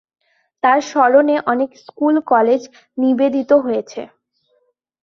তাঁর স্মরণে অনেক স্কুল-কলেজ নিবেদিত হয়েছে।